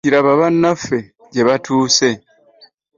Kati laba bannaffe gye batuuse!